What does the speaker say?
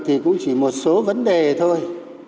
thì cũng chỉ một số vấn đề thôi